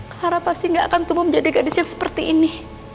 clara pasti nggak akan tumbuh menjadi gadis yang seperti ini